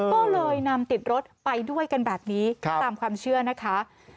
ก็เลยนำติดรถไปด้วยกันแบบนี้ตามความเชื่อนะคะ